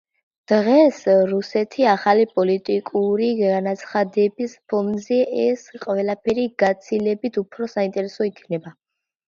დღეს რუსეთის ახალი პოლიტიკური განაცხადების ფონზე ეს ყველაფერი გაცილებით უფრო საინტერესო იქნება.